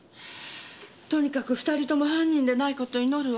とにかく２人とも犯人でない事を祈るわ。